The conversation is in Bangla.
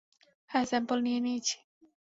হ্যাঁ, স্যাম্পল নিয়ে নিয়েছি।